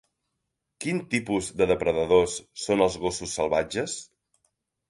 Quin tipus de depredadors són els gossos salvatges?